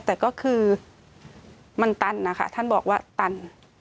แต่ก็คือมันตันนะคะท่านบอกว่าตัน